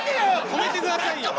止めてくださいよ。